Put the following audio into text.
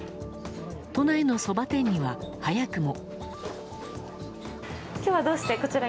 都内のそば店には、早くも。